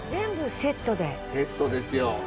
セットですよ！